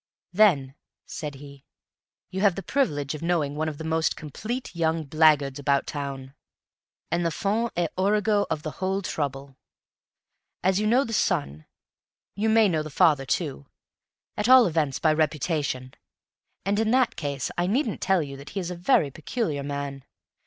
"Then," said he, "you have the privilege of knowing one of the most complete young black guards about town, and the fons et origo of the whole trouble. As you know the son, you may know the father too, at all events by reputation; and in that case I needn't tell you that he is a very peculiar man.